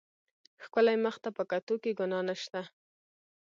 ښکلي مخ ته په کتو کښې ګناه نشته.